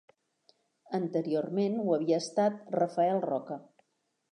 Anteriorment ho havia estat Rafael Roca.